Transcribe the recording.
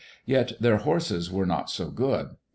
Yet dieir horses were not so good.